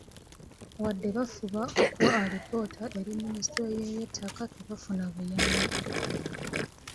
Wadde bafuba okuwa alipoota eri minisitule y'Ebyettaka, tebafuna buyambi.